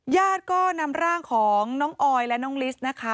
ญาติก็นำร่างของน้องออยและน้องลิสนะคะ